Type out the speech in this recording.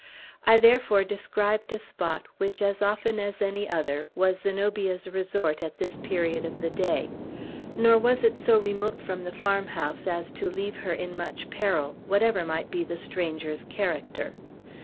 I therefore described a spot which, as often as any other, was Zenobia's resort at this period of the day; nor was it so remote from the farmhouse as to leave her in much peril, whatever might be the stranger's character.